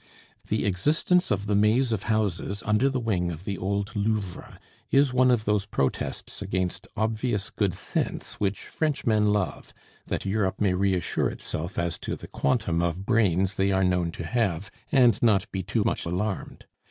The existence of the maze of houses under the wing of the old Louvre is one of those protests against obvious good sense which Frenchmen love, that Europe may reassure itself as to the quantum of brains they are known to have, and not be too much alarmed.